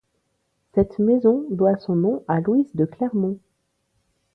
Cette maison doit son nom à Louise de Clermont.